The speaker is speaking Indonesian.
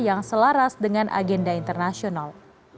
yang selaras dengan agenda internasional